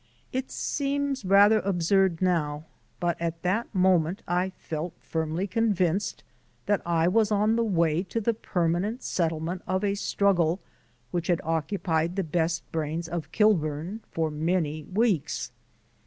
It seems rather absurd now, but at that moment I felt firmly convinced that I was on the way to the permanent settlement of a struggle which had occupied the best brains of Kilburn for many weeks.